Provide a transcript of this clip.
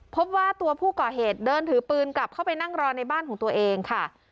พบว่าตัวผู้ก่อเหตุเดินถือปืนกลับเข้าไปนั่งรอในบ้านของตัวเองค่ะ